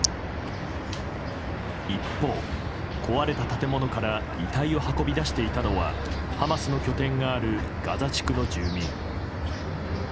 一方、壊れた建物から遺体を運び出していたのはハマスの拠点があるガザ地区の住民。